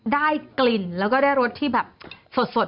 ได้กลิ่นแล้วก็ได้รสที่แบบสด